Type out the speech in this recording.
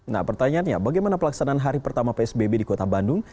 nah pertanyaannya bagaimana pelaksanaan hari pertama psbb di kota bandung